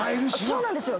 そうなんです！